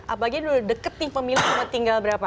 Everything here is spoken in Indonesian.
apalagi sudah dekat nih pemilu tinggal berapa